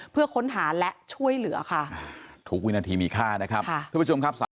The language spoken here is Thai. เพื่อค้นหาและช่วยเหลือค่ะทุกวินาทีมีค่านะครับทุกผู้ชมครับ